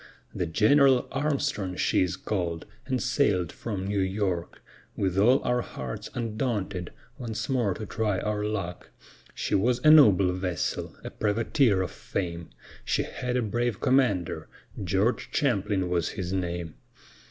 The General Armstrong she is called, and sailèd from New York, With all our hearts undaunted, once more to try our luck; She was a noble vessel, a privateer of fame: She had a brave commander, George Champlin was his name.